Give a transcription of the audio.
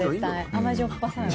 甘じょっぱさが。